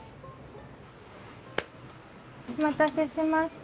お待たせしました。